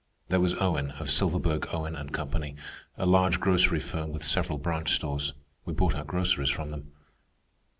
There was Owen, of Silverberg, Owen & Company—a large grocery firm with several branch stores. We bought our groceries from them.